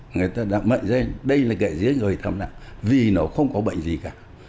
người ta đã mệnh ra đây là kẻ giết người thầm lặng vì nó không có bệnh gì cả